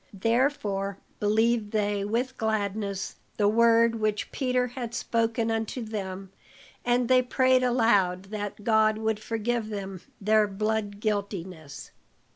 Therefore believed they with gladness the word which Peter had spoken unto them, and they prayed aloud that God would forgive them their blood guiltiness.